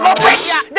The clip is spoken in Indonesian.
lu paham gua